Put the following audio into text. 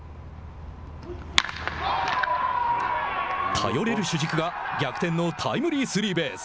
頼れる主軸が逆転のタイムリースリーベース。